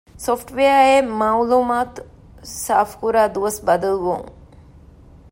ސޮފްޓްވެއާއަށް މައުޅުމާތު ސާފުކުރާ ދުވަސް ބަދަލުވުން